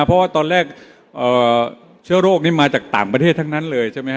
เพราะว่าตอนแรกเชื้อโรคนี้มาจากต่างประเทศทั้งนั้นเลยใช่ไหมฮ